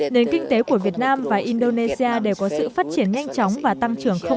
nền kinh tế của việt nam và indonesia đều có sự phát triển nhanh chóng và tăng trưởng không